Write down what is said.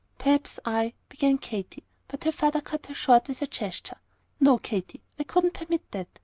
"Perhaps I " began Katy, but her father cut her short with a gesture. "No, Katy, I couldn't permit that.